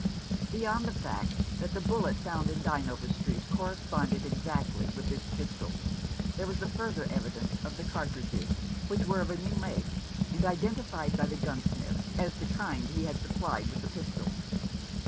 Beyond the fact that the bullet found in Dynevor Street corresponded exactly with this 152 At Bow Street. pistol, there was the further evidence of the car tridges, which were of a new make, and identified by the gunsmith as the kind he had supplied with the pistol.